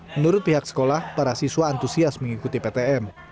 menurut pihak sekolah para siswa antusias mengikuti ptm